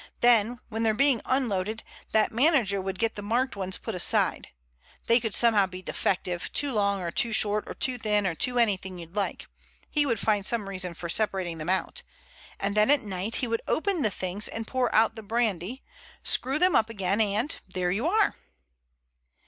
Then when they're being unloaded that manager would get the marked ones put aside—they could somehow be defective, too long or too short or too thin or too anything you like—he would find some reason for separating them out—and then at night he would open the things and pour out the brandy, screw them up again and—there you are!"